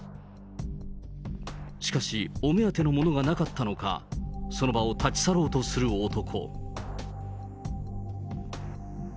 しかし、お目当てのものがなかったのか、その場を立ち去ろうとする男。